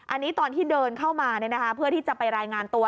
อันนี้ตอนที่เดินเข้ามาเพื่อที่จะไปรายงานตัว